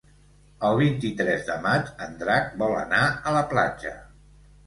El vint-i-tres de maig en Drac vol anar a la platja.